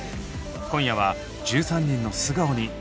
今夜は１３人の素顔に迫ります。